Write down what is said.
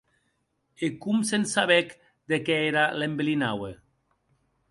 E com se'n sabec de qué era l'embelinaue?